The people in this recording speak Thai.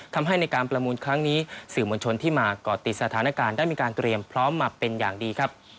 ทำให้ในการประมูลครั้งนี้สื่อมวลชนที่มาก่อติดสถานการณ์ได้มีการเตรียมพร้อมมาเป็นอย่างดีครับ